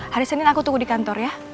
hari senin aku tunggu di kantor ya